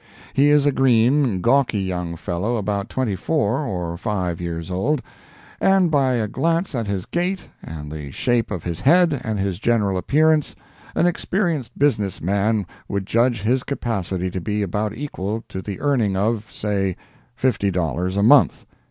He is a green, gawky young fellow about twenty four or—five years old; and by a glance at his gait and the shape of his head and his general appearance, an experienced business man would judge his capacity to be about equal to the earning of, say fifty dollars a month.